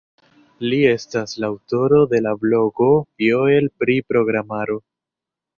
Li estas la aŭtoro de la blogo "Joel pri Programaro".